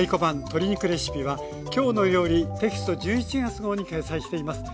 鶏肉レシピ」は「きょうの料理」テキスト１１月号に掲載しています。